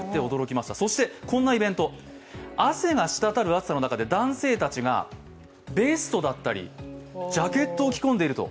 こんなイベント、汗がしたたる暑さの中で男性たちがベストだったり、ジャケットを着込んでいると。